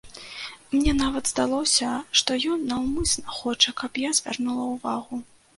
Мне нават здалося, што ён наўмысна хоча, каб я звярнула ўвагу.